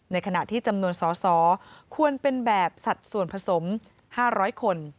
ในขณะที่จำนวนสอสอควรเป็นแบบสัดส่วนผสม๕๐๐คน